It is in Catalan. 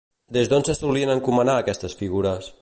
Des d'on se solien encomanar aquestes figures?